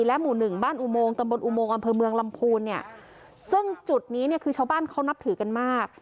หมู่หนึ่งบ้านอุโมงตำบลอุโมงอำเภอเมืองลำพูนเนี่ยซึ่งจุดนี้เนี่ยคือชาวบ้านเขานับถือกันมาก